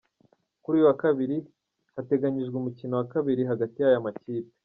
Kuri uyu wa Kabiri hateganyijwe umukino wa kabiri hagati y’aya makipe.